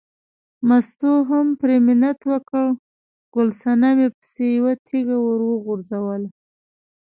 مستو هم پرې منت وکړ، ګل صنمې پسې یوه تیږه ور وغورځوله.